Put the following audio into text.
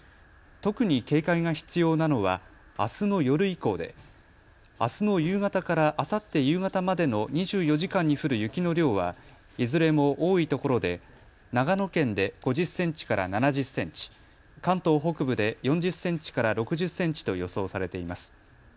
特に警戒が必要なのはあすの夜以降であすの夕方からあさって夕方までの２４時間に降る雪の量はいずれも多いところで長野県で５０センチから７０センチ、関東北部で４０センチから６０センチと予想されています。